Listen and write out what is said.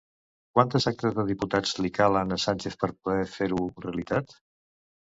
Quantes actes de diputats li calen a Sánchez per poder fer-ho realitat?